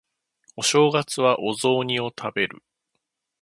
お正月はお雑煮を食べる